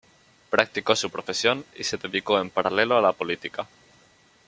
Practicó su profesión y se dedicó en paralelo a la política.